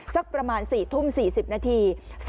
สักประมาณ๔ทุ่ม๔๐นาที